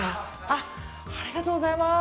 ありがとうございます。